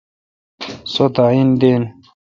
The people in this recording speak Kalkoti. سو داین دین۔